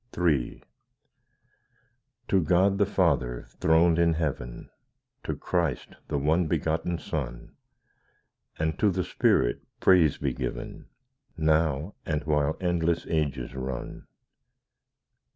III To God the Father throned in heaven, To Christ the One Begotten Son, And to the Spirit praise be given, Now, and while endless ages run.